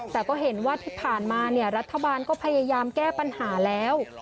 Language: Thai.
แต่ก็เห็นว่าที่ผ่านมารัฐบาลก็พยายามแก้ปัญหาแล้ว